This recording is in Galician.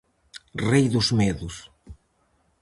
Rei dos medos.